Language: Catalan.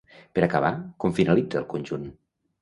Per acabar, com finalitza el conjunt?